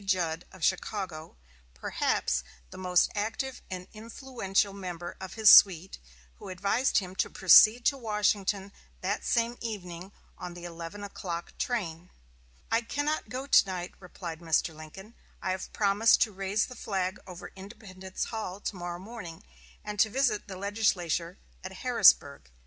Judd of Chicago, perhaps the most active and influential member of his suite, who advised him to proceed to Washington that same evening on the eleven o'clock train. "I cannot go to night," replied Mr. Lincoln; "I have promised to raise the flag over Independence Hall to morrow morning, and to visit the legislature at Harrisburg.